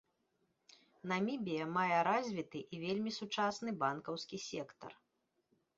Намібія мае развіты і вельмі сучасны банкаўскі сектар.